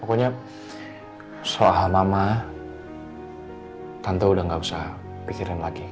pokoknya soal mama tante udah gak bisa pikirin lagi